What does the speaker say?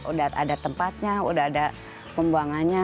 udah ada tempatnya udah ada pembuangannya